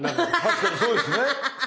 確かにそうですね。